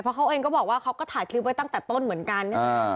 เพราะเขาเองก็บอกว่าเขาก็ถ่ายคลิปไว้ตั้งแต่ต้นเหมือนกัน